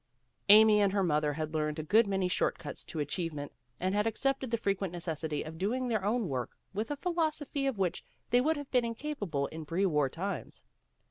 Amy and her mother had learned a good many short cuts to achieve ment, and had accepted the frequent necessity of doing their own work with a philosophy of which they would have been incapable in pre war times.